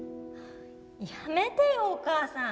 やめてよお母さん。